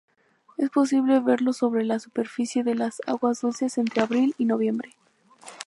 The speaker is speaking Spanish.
Es posible verlo sobre la superficie de las aguas dulces entre abril y noviembre.